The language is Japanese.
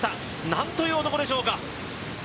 なんという男でしょうか。